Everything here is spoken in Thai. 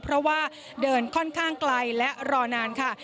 เพราะว่าเดินค่อนข้างไกลและรอนานค่ะ